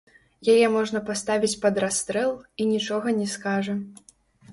Яе можна паставіць пад расстрэл, і нічога не скажа.